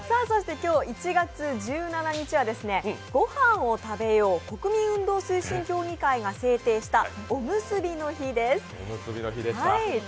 そして今日１月１７日はごはんを食べよう国民運動推進協議会が制定したおむすびの日です。